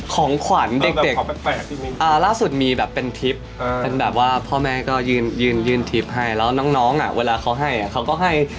ของขวัญเด็กล่าสุดมีแบบเป็นทริปเป็นแบบว่าพ่อแม่ก็ยืนทริปให้แล้วน้องเวลาเขาให้เขาก็ให้